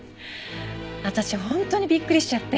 私本当にびっくりしちゃって。